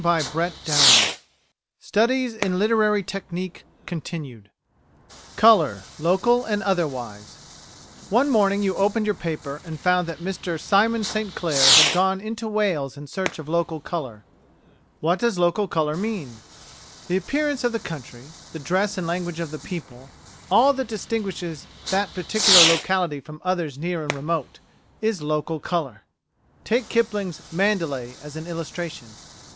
CHAPTER VI STUDIES IN LITERARY TECHNIQUE Colour: Local and Otherwise One morning you opened your paper and found that Mr Simon St Clair had gone into Wales in search of local colour. What does local colour mean? The appearance of the country, the dress and language of the people, all that distinguishes the particular locality from others near and remote is local colour. Take Kipling's "Mandalay" as an illustration.